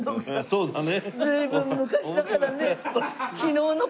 そうだね。